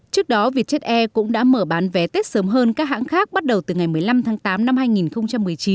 trước đó vietjet air cũng đã mở bán vé tết sớm hơn các hãng khác bắt đầu từ ngày một mươi năm tháng tám năm hai nghìn một mươi chín